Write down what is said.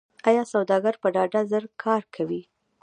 آیا سوداګر په ډاډه زړه کار کوي؟